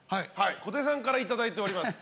小手さんからいただいております。